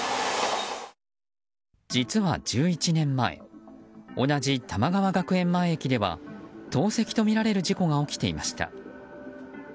実は１１年前同じ玉川学園前駅では投石とみられる事故が起きていました。